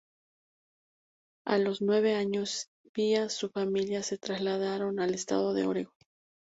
A los nueve años Vía y su familia se trasladaron al estado de Oregón.